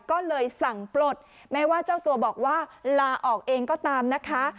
ก็เลยสั่งปลดแม้ว่าเจ้าตัวบอกว่าลาออกเองก็ตามนะคะ